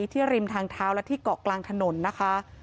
ริมทางเท้าและที่เกาะกลางถนนนะคะ